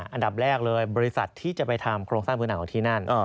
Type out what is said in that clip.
อันดับแรกเลยบริษัทที่จะไปทำโครงสร้างพื้นหนังของที่นั่น